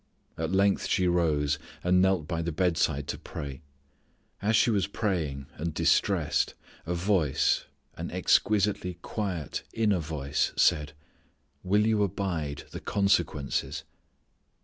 At length she rose, and knelt by the bedside to pray. As she was praying and distressed a voice, an exquisitely quiet inner voice said, "will you abide the consequences?"